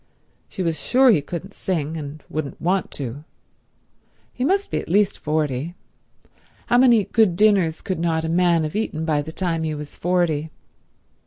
She was sure he couldn't sing, and wouldn't want to. He must be at least forty. How many good dinners could not a man have eaten by the time he was forty?